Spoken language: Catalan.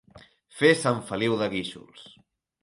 Fer Sant Feliu de Guíxols.